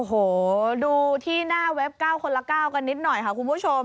โอ้โหดูที่หน้าเว็บ๙คนละ๙กันนิดหน่อยค่ะคุณผู้ชม